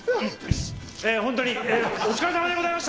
本当にお疲れさまでございました！